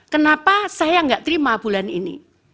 kenapa saya nggak terima bulan ini